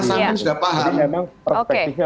kami sudah paham memang perspektifnya